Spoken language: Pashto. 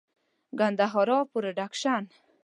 ګندهارا پروډکشن.